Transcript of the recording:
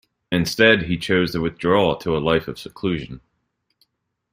Instead, he chose to withdraw to a life of seclusion.